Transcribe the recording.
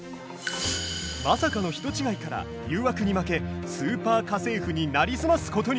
まさかの人違いから誘惑に負け「スーパー家政婦」になりすますことに。